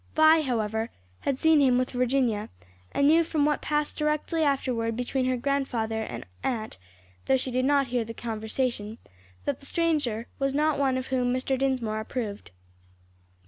Vi, however, had seen him with Virginia and knew from what passed directly afterward between her grandfather and aunt (though she did not hear the conversation) that the stranger was not one whom Mr. Dinsmore approved.